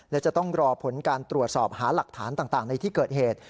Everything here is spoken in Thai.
และจะต้องรอผลการตรวจสอบหาหลักฐานต่างในที่เกิดเหตุ